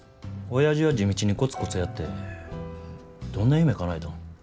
おやじは地道にコツコツやってどんな夢かなえたん。